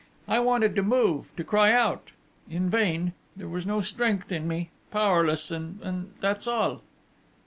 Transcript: I wanted to move, to cry out ... in vain ... there was no strength in me ... powerless ... and that's all!'